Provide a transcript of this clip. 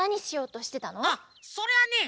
あっそれはね